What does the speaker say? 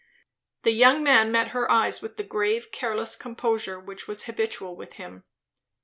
The young man met her eyes with the grave, careless composure which was habitual with him.